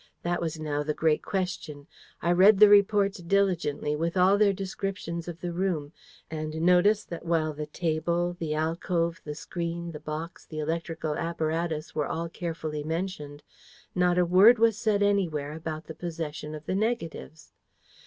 That was now the great question. I read the reports diligently, with all their descriptions of the room, and noticed that while the table, the alcove, the screen, the box, the electrical apparatus, were all carefully mentioned, not a word was said anywhere about the possession of the negatives.